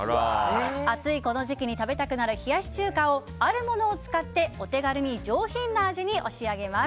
暑いこの時期に食べたくなる冷やし中華をあるものを使ってお手軽に上品な味に仕上げます。